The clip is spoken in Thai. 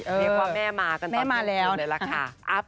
มีความแม่มากันตอนนี้กันเลยละค่ะ